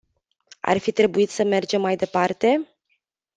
Ar fi trebuit să mergem mai departe?